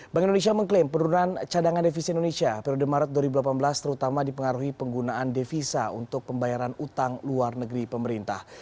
bank indonesia mengklaim penurunan cadangan devisi indonesia periode maret dua ribu delapan belas terutama dipengaruhi penggunaan devisa untuk pembayaran utang luar negeri pemerintah